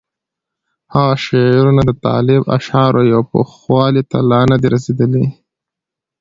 د هغه شعرونه د طالب اشعارو پوخوالي ته لا نه دي رسېدلي.